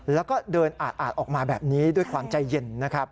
แล้วก็เดินอาดออกมาแบบนี้ด้วยความใจเย็นนะครับ